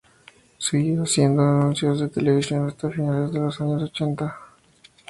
Siguió haciendo anuncios de televisión hasta finales de los años ochenta.